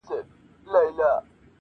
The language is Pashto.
دوی پښتون غزل منلی په جهان دی-